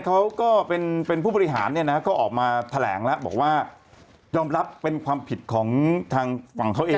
เขาก็เป็นผู้บริหารเนี่ยนะก็ออกมาแถลงแล้วบอกว่ายอมรับเป็นความผิดของทางฝั่งเขาเอง